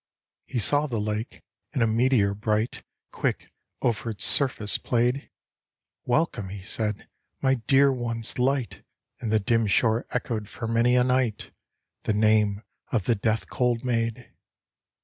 " He saw the Lake, and a meteor bright Quick over its surface played, — "Welcome," he said, " my dear one's light! " And the dim shore echoed for many a night, The name of the death cold maid